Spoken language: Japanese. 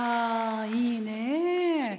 いいね。